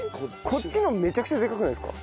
こっちのもめちゃくちゃでかくないですか？